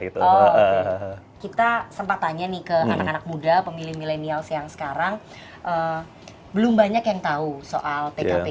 kita sempat tanya nih ke anak anak muda pemilih milenial yang sekarang belum banyak yang tahu soal pkb